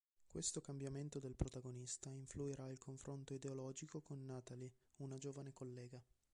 Questo cambiamento del protagonista influirà il confronto ideologico con Natalie, una giovane collega.